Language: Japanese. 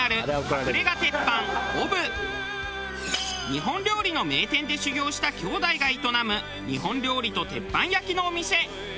日本料理の名店で修業した兄弟が営む日本料理と鉄板焼きのお店。